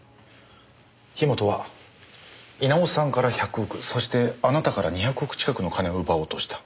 樋本は稲尾さんから１００億そしてあなたから２００億近くの金を奪おうとした。